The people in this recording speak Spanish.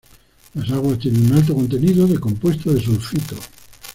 Las aguas tienen un alto contenido de compuestos de sulfito.